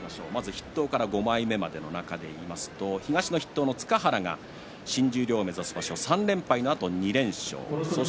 筆頭から５枚目までの中でいいますと東の筆頭の塚原が新十両を目指す場所３連敗のあと２連勝。